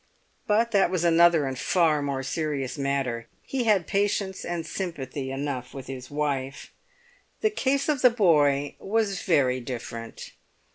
But that was another and a far more serious matter; he had patience and sympathy enough with his wife. The case of the boy was very different.